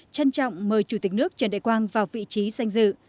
trân trọng mời chủ tịch nước trần đại quang vào vị trí danh dự